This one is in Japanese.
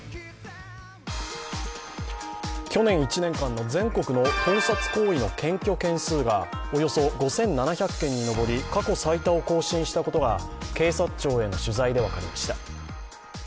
去年１年間の全国の盗撮行為の検挙件数がおよそ５７００件に上り、過去最多を更新したことが警察庁への取材で分かりました。